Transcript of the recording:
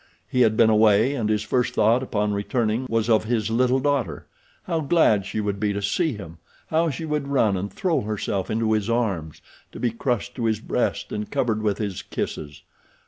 He had been away and his first thought upon returning was of his little daughter. How glad she would be to see him! How she would run and throw herself into his arms, to be crushed to his breast and covered with his kisses.